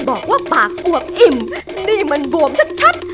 บอกว่าปากอวบอิ่มนี่มันบวมชัด